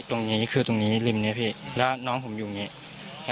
ตรงนี้ตรงนี้ริมแล้วน้องผมอยู่นี้